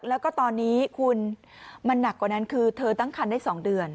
แล้วก็ตอนนี้คุณมันหนักกว่านั้นคือเธอตั้งคันได้๒เดือน